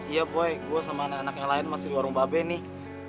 ya boy gue sama anak anak yang lain masih warung babe nih